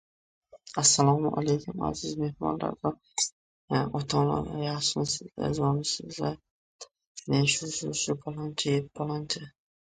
Unda haqiqatni gapirishga izn bering